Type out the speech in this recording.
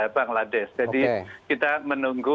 bangladesh jadi kita menunggu